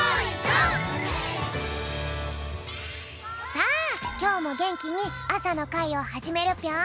さあきょうもげんきにあさのかいをはじめるぴょん！